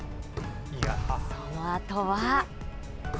そのあとは。